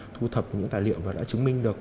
thu thập những tài liệu và đã chứng minh được